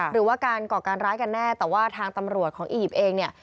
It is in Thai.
หรือว่าการก่อการร้ายกันแน่แต่ว่าทางตำรวจของอียิปต์เองเนี่ย